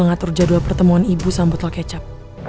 ngatur jadwal pertemuan ibu sama botol kecap